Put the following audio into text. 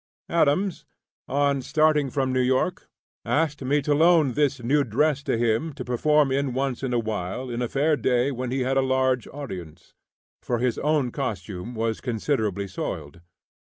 Adams, on starting from New York, asked me to loan this new dress to him to perform in once in a while in a fair day when we had a large audience, for his own costume was considerably soiled.